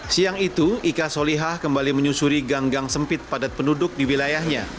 siang itu ika solihah kembali menyusuri gang gang sempit padat penduduk di wilayahnya